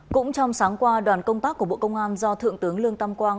cũng trong sáng qua đoàn công tác của bộ công an do thượng tướng lương tam quang